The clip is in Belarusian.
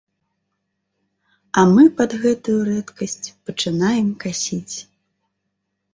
А мы пад гэтую рэдкасць пачынаем касіць.